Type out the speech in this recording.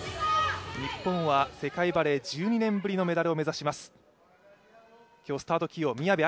日本は世界バレー、１２年ぶりのメダルを目指します。